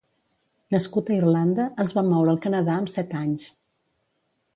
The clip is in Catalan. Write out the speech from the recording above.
Nascut a Irlanda, es va moure al Canadà amb set anys.